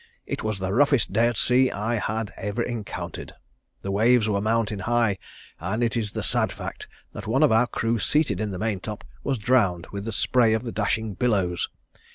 It was the roughest day at sea I had ever encountered. The waves were mountain high, and it is the sad fact that one of our crew seated in the main top was drowned with the spray of the dashing billows.